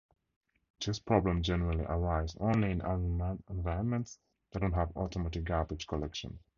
These problems generally arise only in environments that don't have automatic garbage collection.